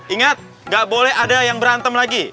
ingat gak boleh ada yang berantem lagi